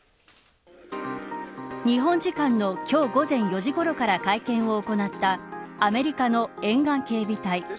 日本時間の今日午前４時ごろから会見を行ったアメリカの沿岸警備隊。